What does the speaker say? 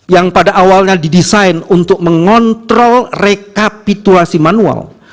yang pada awalnya didesain untuk mengontrol rekapitulasi manual